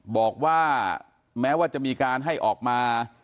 บอกว่าแม้ว่าจะมีการให้ออกมา